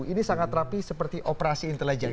ini sangat rapi seperti operasi intelijen